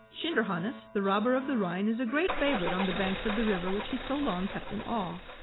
Schinderhannes, the robber of the Rhine, is a great favourite on the banks of the river which he so long kept in awe.